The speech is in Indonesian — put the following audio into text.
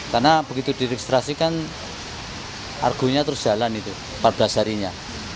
karena begitu direkstrasikan argunya terus jalan itu empat belas harinya